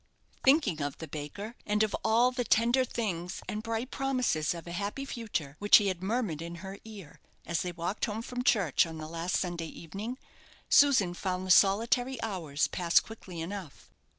Thinking of the baker, and of all the tender things and bright promises of a happy future which he had murmured in her ear, as they walked home from church on the last Sunday evening, Susan found the solitary hours pass quickly enough.